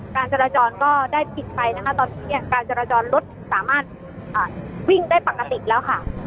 การจราจรก็ได้ปิดไปนะคะตอนนี้เนี่ยการจราจรรถสามารถวิ่งได้ปกติแล้วค่ะ